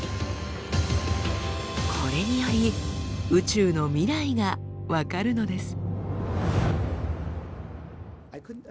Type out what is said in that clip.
これにより宇宙の未来が分かるのです。